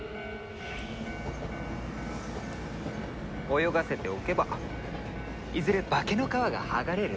泳がせておけばいずれ化けの皮が剥がれる。